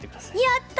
やった！